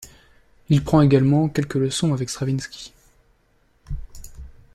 Il prend également quelques leçons avec Stravinsky.